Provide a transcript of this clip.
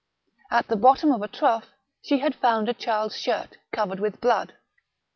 At the bottom of a trough she had found a child's shirt covered with blood.